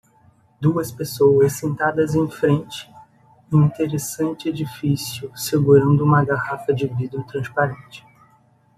Duas pessoas sentadas em frente e interessante edifício segurando uma garrafa de vidro transparente.